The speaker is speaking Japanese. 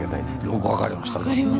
よく分かりました。